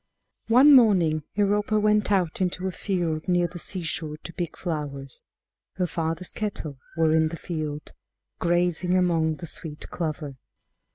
One morning Europa went out into a field near the seashore to pick flowers. Her father's cattle were in the field, grazing among the sweet clover.